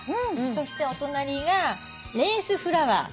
そしてお隣がレースフラワー。